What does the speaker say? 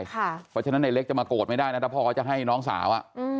เพราะฉะนั้นในเล็กจะมาโกรธไม่ได้นะถ้าพ่อเขาจะให้น้องสาว